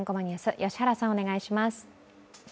良原さん、お願いします。